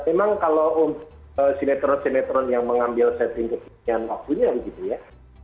memang kalau sinetron sinetron yang mengambil setting keputusan waktunya begitu ya